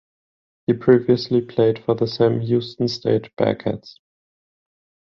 He previously played for the Sam Houston State Bearkats.